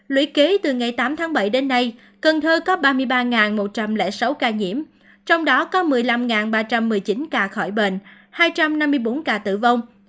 lũy kế từ ngày tám tháng bảy đến nay cần thơ có ba mươi ba một trăm linh sáu ca nhiễm trong đó có một mươi năm ba trăm một mươi chín ca khỏi bệnh hai trăm năm mươi bốn ca tử vong